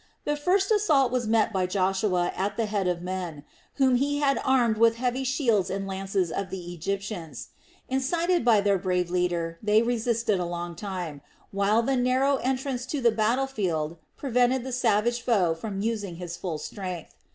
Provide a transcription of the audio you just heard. The first assault was met by Joshua at the head of men, whom he had armed with the heavy shields and lances of the Egyptians; incited by their brave leader they resisted a long time while the narrow entrance to the battle field prevented the savage foe from using his full strength.